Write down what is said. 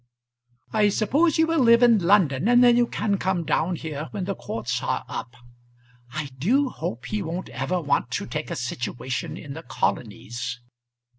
"I suppose you will live in London, and then you can come down here when the courts are up. I do hope he won't ever want to take a situation in the colonies."